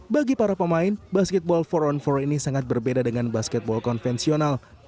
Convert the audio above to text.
bagi para pemain basketball empat on empat ini sangat berbeda dengan basketball konvensional